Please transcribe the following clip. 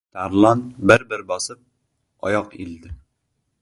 Tarlon bir-bir bosib, oyoq ildi.